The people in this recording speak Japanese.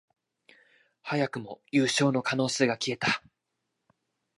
早くも優勝の可能性が消えた